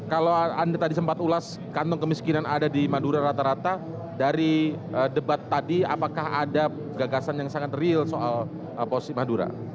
kalau anda tadi sempat ulas kantong kemiskinan ada di madura rata rata dari debat tadi apakah ada gagasan yang sangat real soal posisi madura